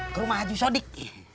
ke rumah haji sodik